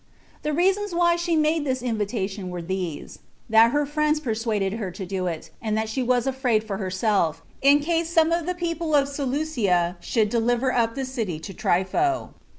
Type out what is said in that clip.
The reasons why she made this invitation were these: That her friends persuaded her to it, and that she was afraid for herself, in case some of the people of Seleucia should deliver up the city to Trypho.